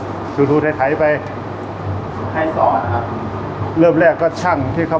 สวัสดีครับผมชื่อสามารถชานุบาลชื่อเล่นว่าขิงถ่ายหนังสุ่นแห่ง